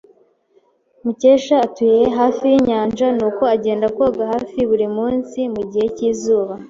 Mukesha atuye hafi yinyanja, nuko agenda koga hafi buri munsi mugihe cyizuba.